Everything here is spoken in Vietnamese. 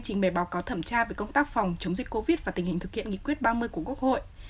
trình bày báo cáo thẩm tra về công tác phòng chống dịch covid và tình hình thực hiện nghị quyết ba mươi của quốc hội